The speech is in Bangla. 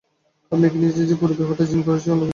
আপনি কি নিশ্চিত যে পুরো ব্যাপারটা জিন করছে, অন্য কিছু না?